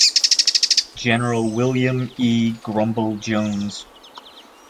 General William E. "Grumble" Jones.